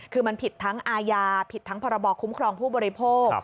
คือมันผิดทั้งอาญาผิดทั้งพรบคุ้มครองผู้บริโภค